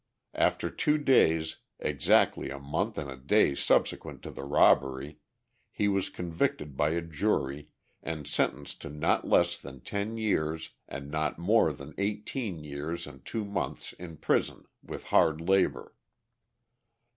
After two days, exactly a month and a day subsequent to the robbery, he was convicted by a jury, and sentenced to not less than ten years and not more than eighteen years and two months in prison, with hard labor.